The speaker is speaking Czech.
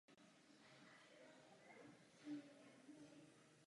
Vychodil reálnou školu v rodných Hustopečích a zemskou vyšší reálnou školu v Brně.